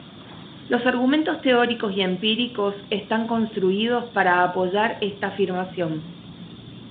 Los argumentos teóricos y empíricos están construidos para apoyar esta afirmación.